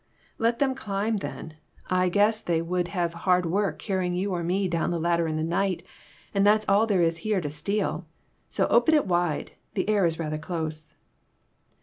" Let them climb, then. I guess they would PERTURBATIONS. /I have hard work carrying you or me down a ladder in the night, and that's all there is here to steal. So open it wide. The air is rather close."